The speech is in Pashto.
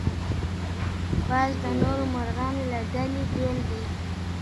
باز د نورو مرغانو له ډلې بېل دی